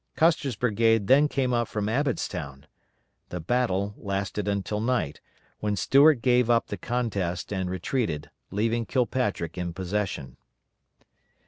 Custer's brigade then came up from Abbotstown. The battle lasted until night, when Stuart gave up the contest and retreated, leaving Kilpatrick in possession.